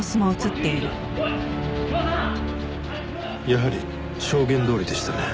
やはり証言どおりでしたね。